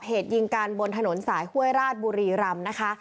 เพศยิงการบนถนนหุ้ยราชบุรีรำนะคะ